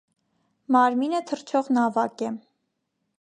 Մարմինը թռչող նավակ է։